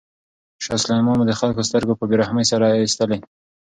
شاه سلیمان به د خلکو سترګې په بې رحمۍ سره ایستلې.